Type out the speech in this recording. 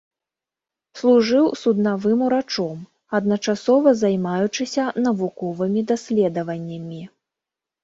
Служыў суднавым урачом, адначасова займаючыся навуковымі даследаваннямі.